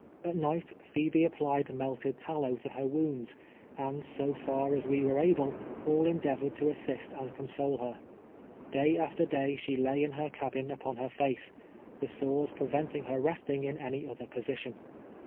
At night Phebc applied melted tallow to her wounds, and so far as we were able, all endeavored to assist and console her. Day after day she lay in her cabin upon her face, the sores preventing her resting in any other position.